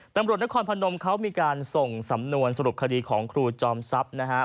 ตำรวจนครพนมเขามีการส่งสำนวนสรุปคดีของครูจอมทรัพย์นะครับ